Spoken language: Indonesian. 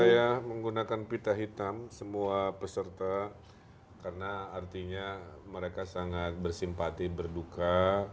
saya menggunakan pita hitam semua peserta karena artinya mereka sangat bersimpati berduka